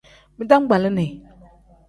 Bitangbalini.